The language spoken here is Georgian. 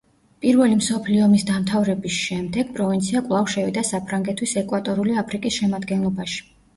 პირველი მსოფლიო ომის დამთავრების შემდეგ პროვინცია კვლავ შევიდა საფრანგეთის ეკვატორული აფრიკის შემადგენლობაში.